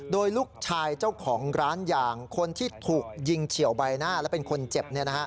โดยลูกชายเจ้าของร้านยางคนที่ถูกยิงเฉียวใบหน้าและเป็นคนเจ็บ